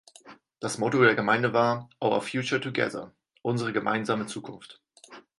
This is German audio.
Das Motto der Gemeinde war "Our Future Together", „Unsere gemeinsame Zukunft“.